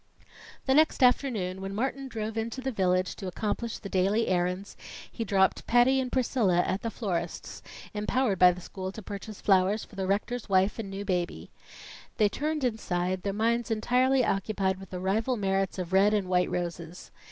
The next afternoon, when Martin drove into the village to accomplish the daily errands, he dropped Patty and Priscilla at the florists, empowered by the school to purchase flowers for the rector's wife and new baby. They turned inside, their minds entirely occupied with the rival merits of red and white roses.